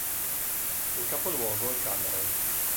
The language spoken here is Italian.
Il capoluogo è Cameron.